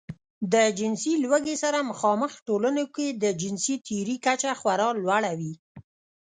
د جنسي لوږې سره مخامخ ټولنو کې د جنسي تېري کچه خورا لوړه وي.